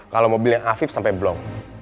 kalau mobilnya alvis sampai belum